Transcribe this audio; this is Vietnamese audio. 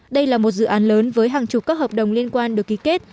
đây là một dự án lớn với hàng chục các hợp đồng liên quan được ký kết